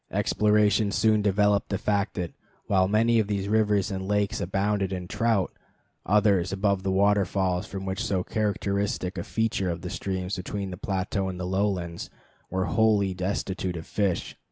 Exploration soon developed the fact that, while many of these rivers and lakes abounded in trout, others, above the waterfalls which form so characteristic a feature of the streams between the plateau and the lowlands, were wholly destitute of fish.